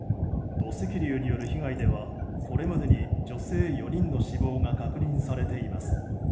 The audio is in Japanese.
土石流による被害ではこれまでに女性４人の死亡が確認されています。